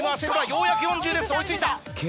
ようやく４０です追い付いた。